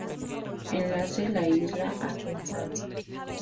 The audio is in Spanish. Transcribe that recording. Enlace la isla a Penzance.